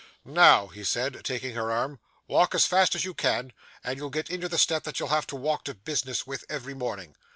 'Now,' he said, taking her arm, 'walk as fast as you can, and you'll get into the step that you'll have to walk to business with, every morning.